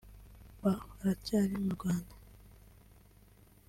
Bah aracyari mu Rwanda